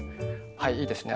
はいいいですね。